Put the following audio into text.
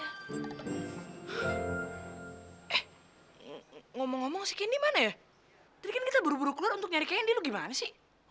eh ngomong ngomong si candy mana ya tadi kan kita buru buru keluar untuk nyari candy lo gimana sih